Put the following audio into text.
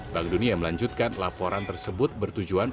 bank dunia melanjutkan laporan tersebut bertujuan